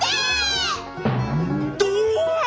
どわ！